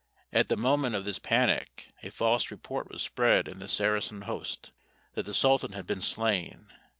At the moment of this panic, a false report was spread in the Saracen host, that the sultan had been slain.